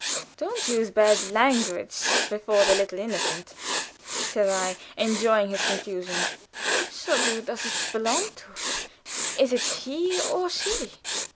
"Don't use bad language before the little innocent," said I, enjoying his confusion. "Which of you does it belong to? Is it he or she?"